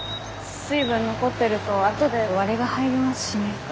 水分残ってると後で割れが入りますしね。